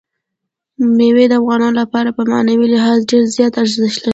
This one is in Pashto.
مېوې د افغانانو لپاره په معنوي لحاظ ډېر زیات ارزښت لري.